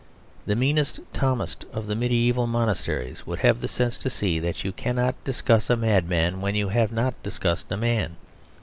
The meanest Thomist of the mediæval monasteries would have the sense to see that you cannot discuss a madman when you have not discussed a man.